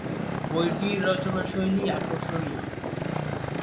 বইটির রচনাশৈলী আকর্ষণীয়।